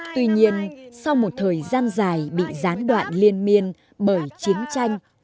tuy nhiên sau một thời gian dài bị gián đoạn liên miên bởi chiến tranh